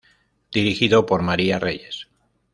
Dirigido por María Reyes.